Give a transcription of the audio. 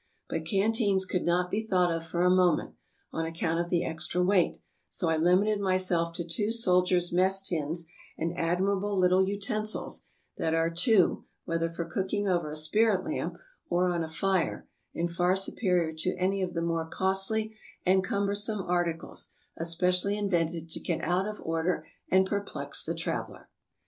But canteens could not be thought of for a mo ment, on account of the extra weight, so I limited myself to two soldiers' mess tins, and admirable little utensils they are, too, whether for cooking over a spirit lamp or on a fire, and far superior to any of the more costly and cum bersome articles especially invented to get out of order and perplex the traveler.